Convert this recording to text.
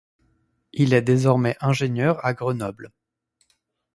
Il est désormais ingénieur à Grenoble.